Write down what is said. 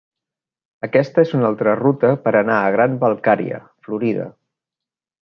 Aquesta és una altra ruta per anar a Grant-Valkaria, Florida.